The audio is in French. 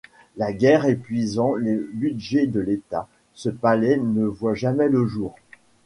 La guerre épuisant le budget de l'État, ce palais ne voit jamais le jour.